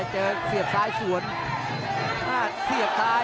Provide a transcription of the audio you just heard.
อื้อหือจังหวะขวางแล้วพยายามจะเล่นงานด้วยซอกแต่วงใน